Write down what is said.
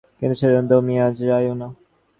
কিন্তু সেজন্য দমিয়া যাইও না।